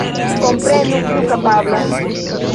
Komprenu kiu kapablas.